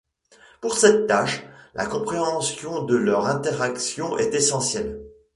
Pour cette tâche, la compréhension de leurs interactions est essentielle.